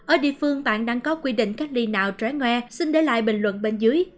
ở địa phương bạn đang có quy định cách ly nào trái ngoa xin để lại bình luận bên dưới